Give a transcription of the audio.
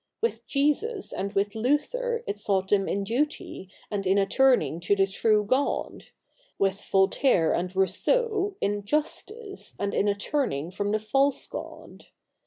AVith Jesus and with Luther it sought them in duty and in a turning to the true God ; with Voltaire and Rousseau, in justice, and in a turning from the false God.